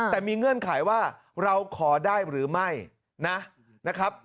แต่มีเงื่อนไขว่าเราขอได้หรือไม่นะครับ